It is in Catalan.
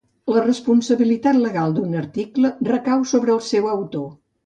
La responsabilitat legal d'un article recau sobre el seu autor.